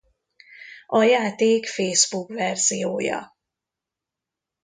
A játék facebook verziója.